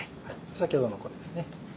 先ほどのこれですね